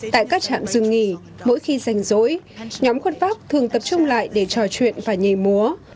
tại các trạng dương nghỉ mỗi khi giành dối nhóm khuân vác thường tập trung lại để trò chuyện và nhảy múa